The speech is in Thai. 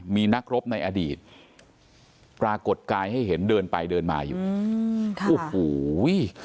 มีนักรบในอดีตปรากฏกายให้เห็นเดินไปเดินมาอยู่อืมค่ะโอ้โห